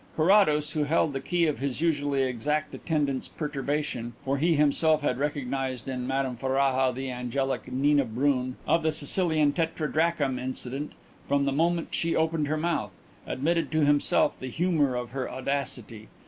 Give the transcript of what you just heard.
Carrados, who held the key of his usually exact attendant's perturbation for he himself had recognized in Madame Ferraja the angelic Nina Brun, of the Sicilian tetradrachm incident, from the moment she opened her mouth admitted to himself the humour of her audacity.